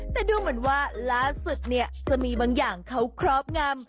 แต่ดูเหมือนว่าล่าสุดเนี่ยจะมีบางอย่างเขาครอบงำ